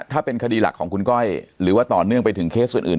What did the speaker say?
ถ้าเป็นคดีหลักของคุณก้อยหรือว่าต่อเนื่องไปถึงเคสอื่น